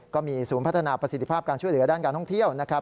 ก็มีศูนย์พัฒนาประสิทธิภาพการช่วยเหลือด้านการท่องเที่ยวนะครับ